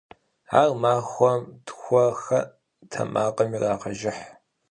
Ар махуэм тхуэ-хэ тэмакъым ирагъэжыхь.